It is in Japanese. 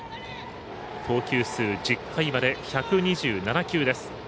投球数１０回まで１２７球。